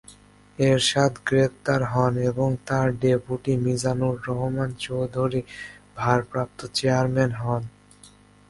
এরশাদ গ্রেফতার হন এবং তার ডেপুটি মিজানুর রহমান চৌধুরী ভারপ্রাপ্ত চেয়ারম্যান হন।